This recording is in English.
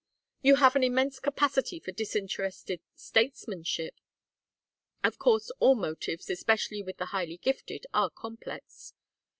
"You have an immense capacity for disinterested statesmanship. Of course all motives, especially with the highly gifted, are complex.